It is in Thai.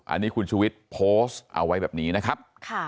อันนี้คุณชุวิตโพสต์เอาไว้แบบนี้นะครับ